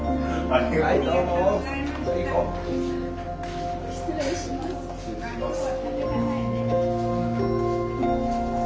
失礼します。